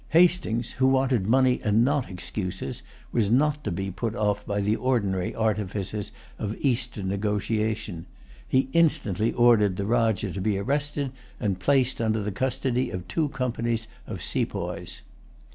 Hastings, who wanted money and not excuses, was not to be put off by the ordinary artifices of Eastern negotiation. He instantly ordered the Rajah to be arrested and placed under the custody of two companies of sepoys.